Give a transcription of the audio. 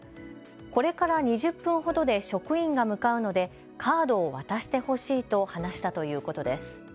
これから２０分ほどで職員が向かうのでカードを渡してほしいと話したということです。